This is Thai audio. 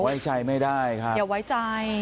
ไว้ใจไม่ได้ครับอย่าไว้ใจ